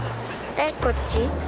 えっこっち。